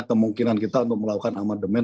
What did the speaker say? kemungkinan kita untuk melakukan amandemen